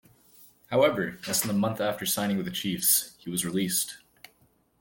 However, less than a month after signing with the Chiefs, he was released.